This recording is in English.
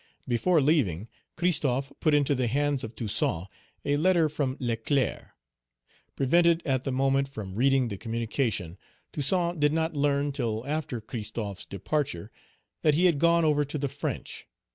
Before leaving, Christophe put into the hands of Toussaint a letter from Leclerc. Prevented, at the moment, from reading the communication, Toussaint did not learn till after Christophe's departure, that he had gone over to the French.